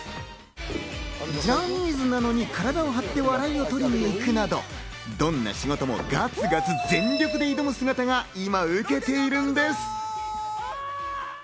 ジャニーズなのに体を張って笑いを取りに行くなどどんな仕事もガツガツ全力で挑む姿が今、ウケているんです。